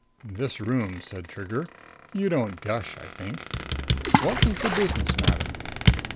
"This room," said Trigger. "You don't gush, I think. What was the business matter?"